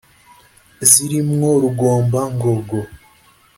ziri mwo rugomba-ngogo